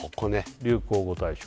流行語大賞